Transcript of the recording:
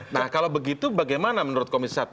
nah kalau begitu bagaimana menurut komisi satu